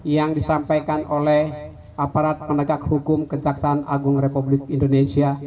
yang disampaikan oleh aparat penegak hukum kejaksaan agung republik indonesia